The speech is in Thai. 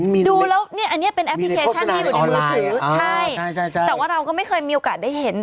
มีในโฆษณาออนไลน์แต่เราก็ไม่เคยมีโอกาสได้เห็น